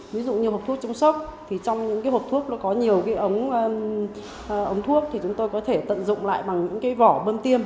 ví dụ như một thuốc trung sốc thì trong những cái hộp thuốc nó có nhiều cái ống thuốc thì chúng tôi có thể tận dụng lại bằng những cái vỏ bơm tiêm